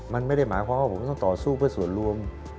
มันไม่ได้หมายความว่าผมต้องต่อสู้เพื่อส่วนรวม